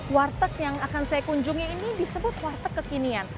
warteg yang akan saya kunjungi ini disebut warteg kekinian